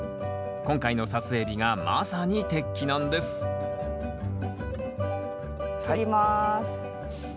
今回の撮影日がまさに適期なんです切ります。